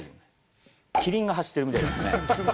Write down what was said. キリンが走ってるみたいだよ